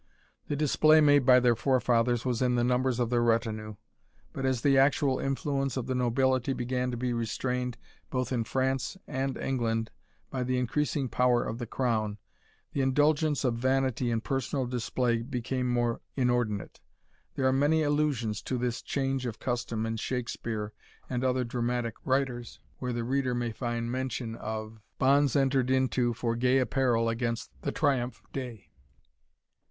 The display made by their forefathers was in the numbers of their retinue; but as the actual influence of the nobility began to be restrained both in France and England by the increasing power of the crown, the indulgence of vanity in personal display became more inordinate. There are many allusions to this change of custom in Shakspeare and other dramatic writers, where the reader may find mention made of "Bonds enter'd into For gay apparel against the triumph day."